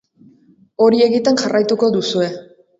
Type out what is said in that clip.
Hori egiten jarraituko duzue.